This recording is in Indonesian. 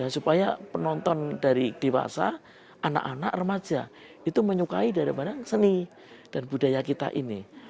supaya penonton dari dewasa anak anak remaja itu menyukai daripada seni dan budaya kita ini